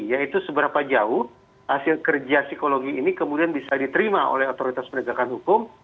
yaitu seberapa jauh hasil kerja psikologi ini kemudian bisa diterima oleh otoritas penegakan hukum